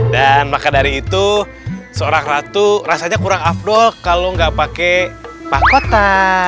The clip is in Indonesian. dan maka dari itu seorang ratu rasanya kurang afdol kalau nggak pakai pakota